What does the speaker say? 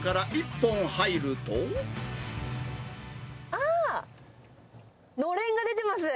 あー、のれんが出てます。